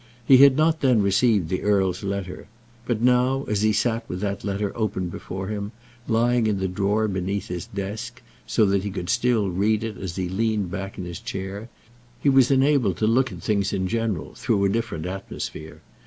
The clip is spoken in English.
He had not then received the earl's letter; but now, as he sat with that letter open before him, lying in the drawer beneath his desk so that he could still read it as he leaned back in his chair, he was enabled to look at things in general through a different atmosphere.